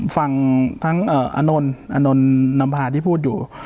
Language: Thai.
ฟังทั้งอนนณนามพราหร์ที่พูดอยู่